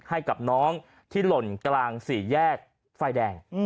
ให้กับน้องที่หล่นกลางสี่แยกไฟแดง